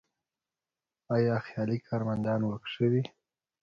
آیا خیالي کارمندان ورک شوي؟